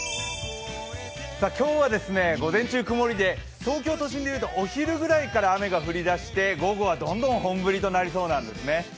今日は午前中、曇りで東京都心でいうとお昼ぐらいから雨が降りだして午後はどんどん本降りとなりそうなんですね。